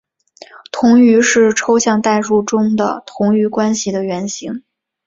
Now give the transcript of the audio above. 同余是抽象代数中的同余关系的原型。